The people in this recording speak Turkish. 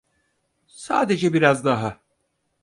Sadece biraz daha.